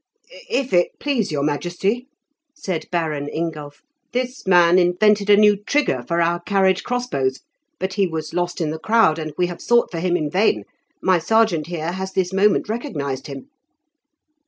"If it please your majesty," said Baron Ingulph, "this man invented a new trigger for our carriage crossbows, but he was lost in the crowd, and we have sought for him in vain; my serjeant here has this moment recognised him."